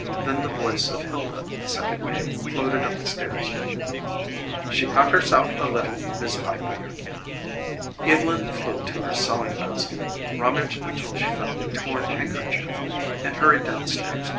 Then the voice of Hilda, the second maid, floated up the stairs. "She cut herself a little, Mis' Piper." Evylyn flew to her sewing basket, rummaged until she found a torn handkerchief, and hurried downstairs.